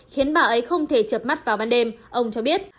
khiến bà ấy không thể chập mắt vào ban đêm ông cho biết